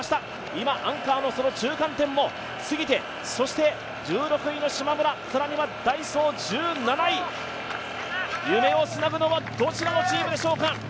今、アンカーの中間点も過ぎてそして１６位のしまむら、更にダイソー１７位、夢をつなぐのは、どちらのチームでしょうか。